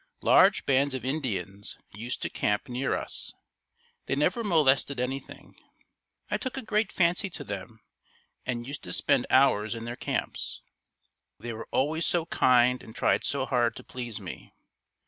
Large bands of Indians used to camp near us. They never molested anything. I took a great fancy to them and used to spend hours in their camps. They were always so kind and tried so hard to please me.